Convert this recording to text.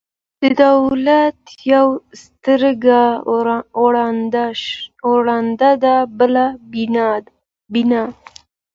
د دولت یوه سترګه ړنده ده، بله بینا.